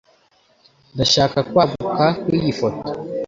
Ndashaka kwaguka kw'iyi foto.